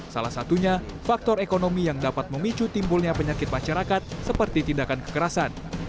salah satunya faktor ekonomi yang dapat memicu timbulnya penyakit masyarakat seperti tindakan kekerasan